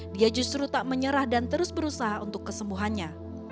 dia justru tak menyerah dan terus berusaha untuk kesembuhannya